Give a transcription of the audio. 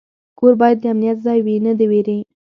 کور باید د امنیت ځای وي، نه د ویرې.